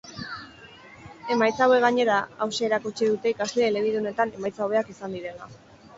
Emaitza hauek gainera, hauxe erakutsi dute ikasle elebidunetan emaitza hobeak izan direla.